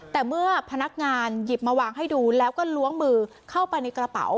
แต่เมื่อพนักงานหยิบมาวางให้ดูแล้วก็ล้วงมือเข้าไปในกระเป๋า